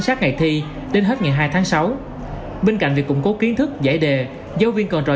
sát ngày thi đến hết ngày hai tháng sáu bên cạnh việc củng cố kiến thức giải đề giáo viên còn trò